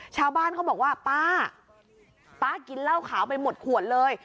ชาวบ้านเขาบอกว่าป๊าป๊ากินเหล้าขาวไปหมดขวดเลย